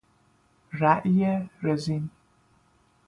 رأی رزین